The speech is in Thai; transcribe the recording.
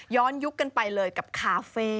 ยุคกันไปเลยกับคาเฟ่